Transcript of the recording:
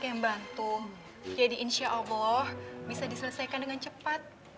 banyak yang bantu jadi insya allah bisa diselesaikan dengan cepat